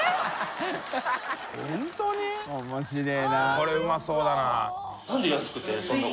これうまそうだな。